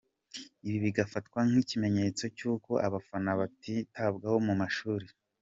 Ibi bigafatwa nk’ikimenyetso cy’uko aba bana batitabwaho mu mashuri.